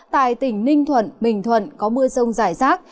tại tỉnh ninh thuận bình thuận có mưa rông rải rác